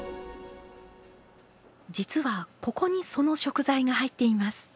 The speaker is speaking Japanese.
実はここにその食材が入っています。